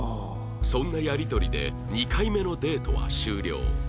そんなやり取りで２回目のデートは終了